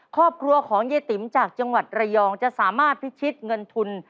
ครอบครัวของเย้ติ๋มจากจังหวัดระยองจะสามารถพิชิตเงินทุน